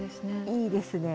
いいですね。